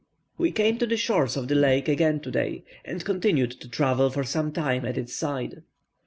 We came to the shores of the lake again today, and continued to travel for some time at its side.